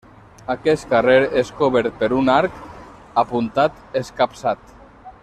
Aquest carrer és cobert per un arc apuntat escapçat.